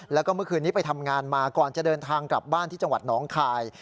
แล้วก็เมื่อคืนนี้ไปทำงานมาก่อนจะเดินทางกลับบ้านที่จังหวัดน้องคาย